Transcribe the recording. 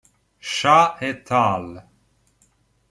Shah et al.